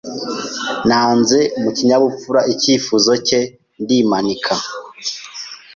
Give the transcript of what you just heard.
Nanze mu kinyabupfura icyifuzo cye ndimanika.